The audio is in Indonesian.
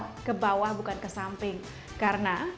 biasanya vertikal ke bawah bukan ke samping karena